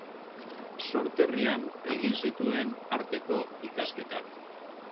Sorterrian egin zituen arteko ikasketak.